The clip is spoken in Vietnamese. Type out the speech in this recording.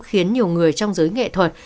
khiến nhiều người trong giới nghệ thuật